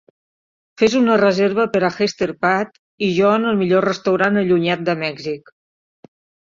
Fes una reserva per a hester, pat i jo en el millor restaurant allunyat de Mèxic